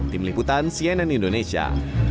tim liputan cnn indonesia